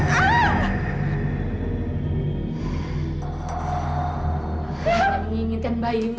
aku hanya menginginkan bayimu